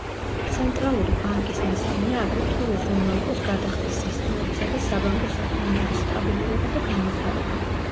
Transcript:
ცენტრალური ბანკის მიზანია აგრეთვე უზრუნველყოს გადახდის სისტემებისა და საბანკო საქმიანობის სტაბილურობა და განვითარება.